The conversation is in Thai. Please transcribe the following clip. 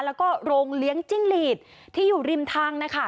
แล้วก็โรงเลี้ยงจิ้งหลีดที่อยู่ริมทางนะคะ